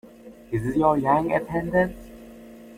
Is this your young attendant?